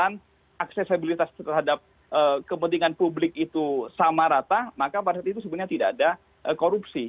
karena aksesibilitas terhadap kepentingan publik itu sama rata maka pada saat itu sebenarnya tidak ada korupsi